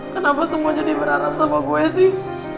kenapa semua jadi berharap sama gue sih